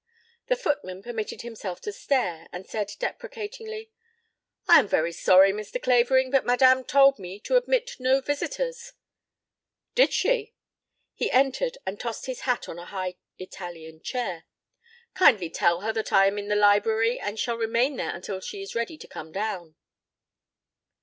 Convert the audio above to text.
The footman permitted himself to stare, and said deprecatingly: "I am very sorry, Mr. Clavering, but Madame told me to admit no visitors " "Did she?" He entered and tossed his hat on a high Italian chair. "Kindly tell her that I am in the library and shall remain there until she is ready to come down."